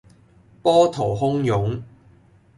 波濤洶湧